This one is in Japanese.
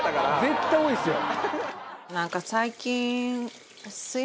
絶対多いですよ。